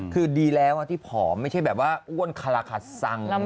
คือดีแล้วที่ผอมไม่ใช่แบบว่าอ้วนคาราคาซัง